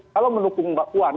kalau mendukung mbak puan